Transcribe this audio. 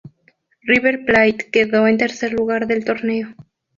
River Plate quedó en tercer lugar del torneo.